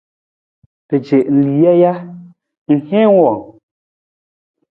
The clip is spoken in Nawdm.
Ra ci lija ja, ng heen wang?